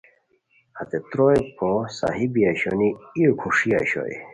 ہتے تروئے پو صحیح بی اوشونی ای روکھوݰی اوشوئے